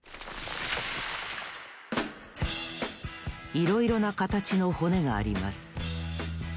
いろいろなかたちの骨があります。